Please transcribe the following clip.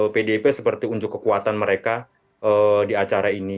pdip seperti unjuk kekuatan mereka di acara ini